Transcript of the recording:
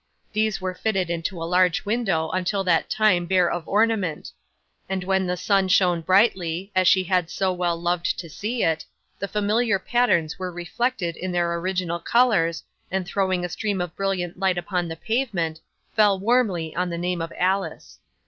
These were fitted into a large window until that time bare of ornament; and when the sun shone brightly, as she had so well loved to see it, the familiar patterns were reflected in their original colours, and throwing a stream of brilliant light upon the pavement, fell warmly on the name of Alice.